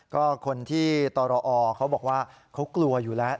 ก็คนที่ตรอเขาบอกว่าเขากลัวอยู่แล้ว